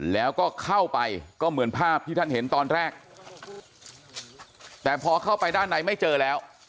แล้วก็เข้าไปก็เหมือนภาพที่ท่านเห็นตอนแรกแต่พอเข้าไปด้านในไม่เจอแล้ว